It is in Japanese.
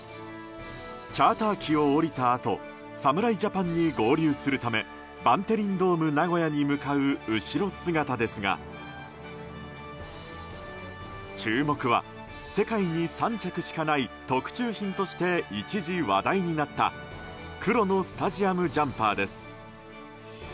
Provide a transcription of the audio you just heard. チャーター機を降りたあと侍ジャパンに合流するためバンテリンドームナゴヤに向かう後ろ姿ですが注目は世界に３着しかない特注品として一時話題になった黒のスタジアムジャンパーです。